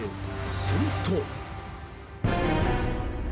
すると。